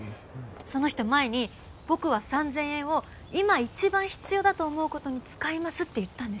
その人前に「僕は三千円を今一番必要だと思うことに使います」って言ったんです。